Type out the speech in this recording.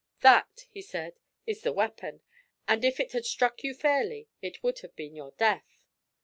'That,' said he, 'is the weapon, and if it had struck you fairly, it would have been your death.'